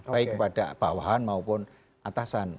baik kepada bawahan maupun atasan